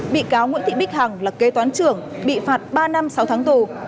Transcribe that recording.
bị cáo nguyễn thị bích hằng là kế toán trưởng bị phạt ba năm sáu tháng tù